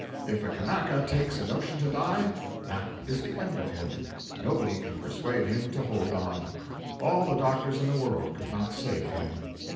If a Kanaka takes a notion to die, that is the end of him; nobody can persuade him to hold on; all the doctors in the world could not save him.